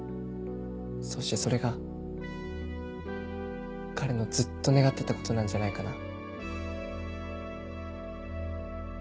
そしてそれが彼のずっと願ってたことなんじゃないかな。